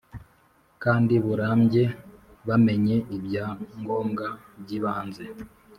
kandi burambye bamenye ibya ngombwa byibanze